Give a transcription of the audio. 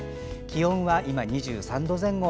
気温は今２３度前後。